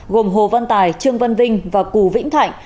gồm hồ văn tài trương văn vinh và cù vĩnh thạnh